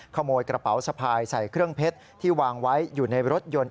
ขโมยกระเป๋าสะพายใส่เครื่องเพชรที่วางไว้อยู่ในรถยนต์